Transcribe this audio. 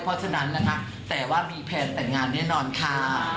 เพราะฉะนั้นนะคะแต่ว่ามีแพลนแต่งงานแน่นอนค่ะ